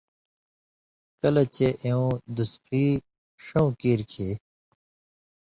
کلہۡ چے اېوں دُسقی ݜؤں کیریۡ کھیں،